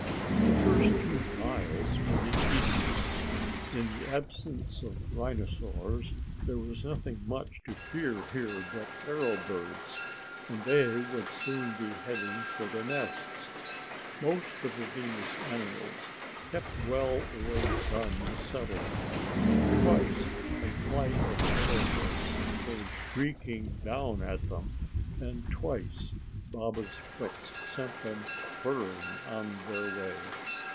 The first two miles were the easiest. In the absence of rhinosaurs, there was nothing much to fear here but arrow birds, and they would soon be heading for their nests. Most of the Venus animals kept well away from the settlement. Twice a flight of arrow birds came shrieking down at them, and twice Baba's clicks sent them whirring on their way.